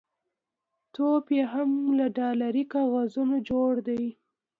ټوپ یې هم له ډالري کاغذونو جوړ دی.